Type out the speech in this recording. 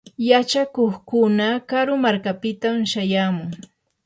yachakuqkuna karu markapitam shayamun.